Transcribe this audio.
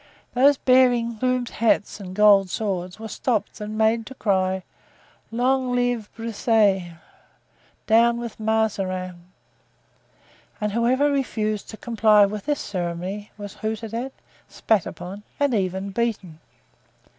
Those bearing plumed hats and gold swords were stopped and made to cry, "Long live Broussel!" "Down with Mazarin!" and whoever refused to comply with this ceremony was hooted at, spat upon and even beaten.